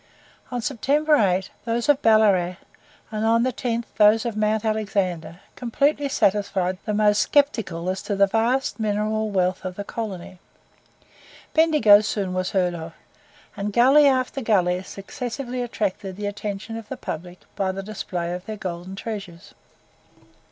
On September 8, those of Ballarat, and on the 10th those of Mount Alexander completely satisfied the most sceptical as to the vast mineral wealth of the colony. Bendigo soon was heard of; and gully after gully successively attracted the attention of the public by the display of their golden treasures.